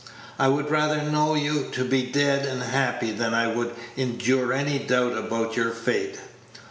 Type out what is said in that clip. I would rather know you to be dead and happy than I would endure any doubt about your fate.